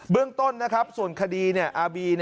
เบื้องต้นนะครับส่วนคดีอาร์บี